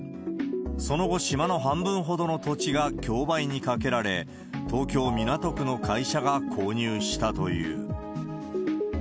その後、島の半分ほどの土地が競売にかけられ、東京・港区の会社が購入したという。